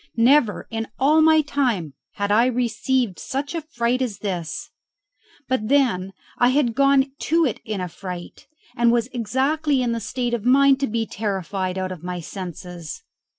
Never in all my time had I received such a fright as this; but then I had gone to it in a fright, and was exactly in the state of mind to be terrified out of my senses.